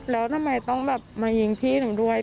แล้วทำไมต้องแบบมายิงพี่หนูด้วย